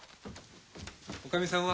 女将さんは？